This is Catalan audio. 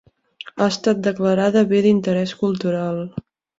Ha estat declarada Bé d’interès cultural.